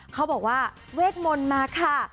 เขาบอกว่าเวทมนต์มาค่ะ